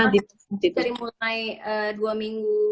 dari mulai dua minggu